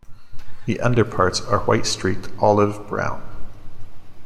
The underparts are white-streaked olive brown.